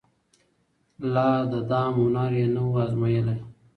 لا د دام هنر یې نه و أزمېیلی